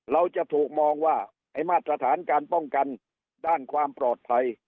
เราจะถูกมองว่าไอ้มาตรฐานการป้องกันด้านความปลอดภัย